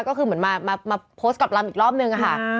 ก็คือเหมือนมาโพสต์กับลำอีกรอบนึงค่ะ